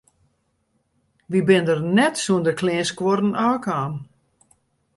Wy binne der net sûnder kleanskuorren ôfkaam.